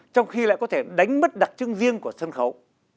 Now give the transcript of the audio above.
trong khi lại có thể đánh mất đặc trưng riêng của sân khấu